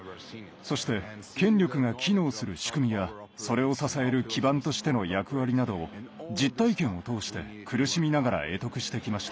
そして権力が機能する仕組みやそれを支える基盤としての役割などを実体験を通して苦しみながら会得してきました。